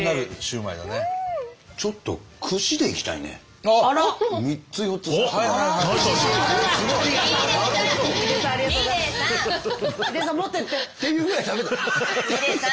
もっと言って。っていうぐらい食べたい。